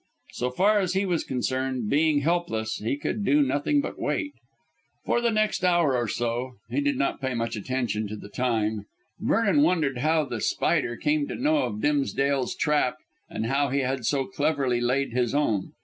So far as he was concerned, being helpless, he could do nothing but wait. For the next hour or so he did not pay much attention to the time Vernon wondered how The Spider came to know of Dimsdale's trap, and how he had so cleverly laid his own.